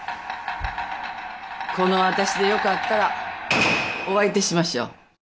この私でよかったらお相手しましょう。